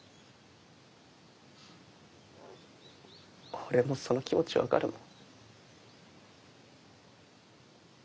俺もその気持ち分かるもん。